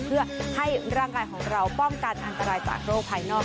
เพื่อให้ร่างกายของเราป้องกันอันตรายจากโรคภายนอก